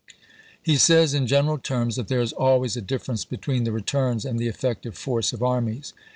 He says, in general terms, that there is always a difference between the returns and the effective force of armies.